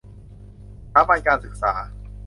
สถาบันการศึกษา